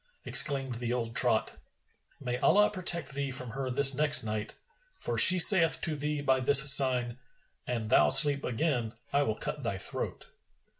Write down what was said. Exclaimed the old trot, "May Allah protect thee from her this next night! For she saith to thee by this sign, 'An thou sleep again, I will cut thy throat.'